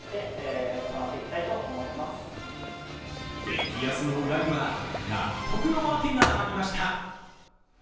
激安の裏には納得の訳がありました。